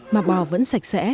mà bò vẫn sạch sẽ